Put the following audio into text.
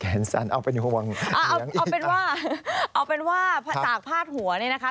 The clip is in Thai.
เอาเป็นว่าตากผ้าดหัวนี่นะคะ